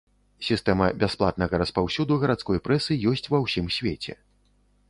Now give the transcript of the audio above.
Сістэма бясплатнага распаўсюду гарадской прэсы ёсць ва ўсім свеце.